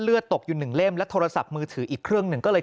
ตกอยู่หนึ่งเล่มและโทรศัพท์มือถืออีกเครื่องหนึ่งก็เลย